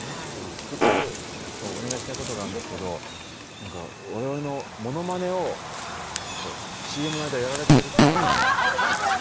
１つだけお願いしたいことがあるんですけど我々のものまねをＣＭの間、やられてるって？